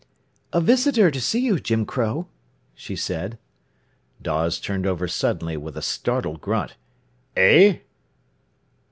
"A visitor to see you, Jim Crow," she said. Dawes turned over suddenly with a startled grunt. "Eh?"